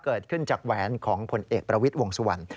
เกิดขึ้นจากแหวนของผลเอกประวิทย์วงสุวรรณ